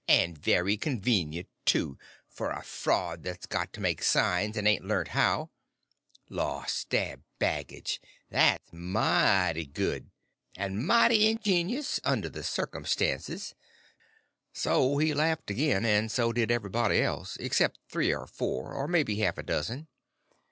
—and very convenient, too, for a fraud that's got to make signs, and ain't learnt how. Lost their baggage! That's mighty good!—and mighty ingenious—under the circumstances!" So he laughed again; and so did everybody else, except three or four, or maybe half a dozen.